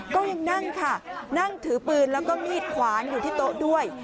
ก็ยังนั่งค่ะนั่งถือปืนแล้วก็มีดขวานอยู่ที่โต๊ะด้วย